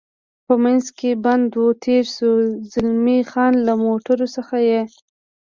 په منځ کې بند و، تېر شو، زلمی خان: له موټرو څخه یې.